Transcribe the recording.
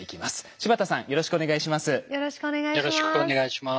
柴田さんよろしくお願いします。